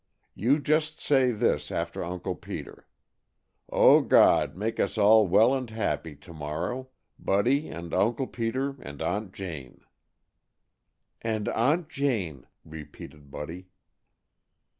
You just say this after Uncle Peter 'O God, make us all well and happy to morrow: Buddy and Uncle Peter, and Aunt Jane,'" "And Aunt Jane," repeated Buddy.